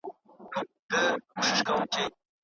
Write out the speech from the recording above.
موږ به هيڅکله نجوني په بديو کې ورنکړو.